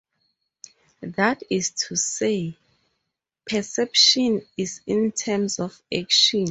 That is to say, perception is in terms of action.